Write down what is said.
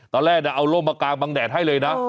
ตอนแรกเนี่ยเอาโล่งมากางบังแดดให้เลยนะ